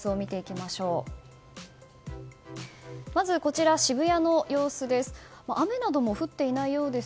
まず、こちらは渋谷の様子です。